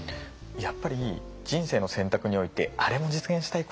やっぱり人生の選択においてあれも実現したい